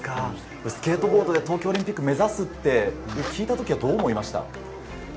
スケートボードで東京オリンピックを目指すと聞いた時はどう思いましたか？